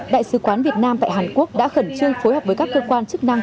đại sứ quán việt nam tại hàn quốc đã khẩn trương phối hợp với các cơ quan chức năng